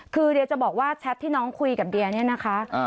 คือเดียจะบอกว่าแชทที่น้องคุยกับเดียเนี่ยนะคะ